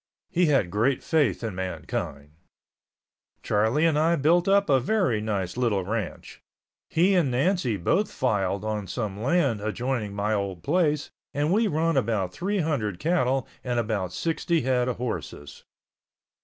He had great faith in mankind. Charlie and I built up a very nice little ranch. He and Nancy both filed on some land adjoining my old place and we run about three hundred cattle and about sixty head of horses.